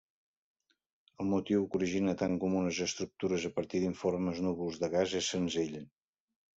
El motiu que origina tan comunes estructures a partir d'informes núvols de gas és senzill.